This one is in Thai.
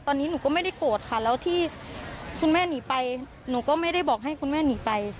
ตอนนี้หนูก็ไม่ได้โกรธค่ะแล้วที่คุณแม่หนีไปหนูก็ไม่ได้บอกให้คุณแม่หนีไป